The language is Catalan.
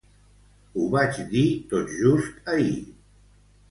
Ho vaig dir tot just ahir.